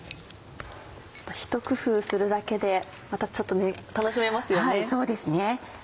ひと工夫するだけでまたちょっと楽しめますよね。